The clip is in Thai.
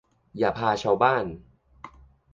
อย่าพาชาวบ้าน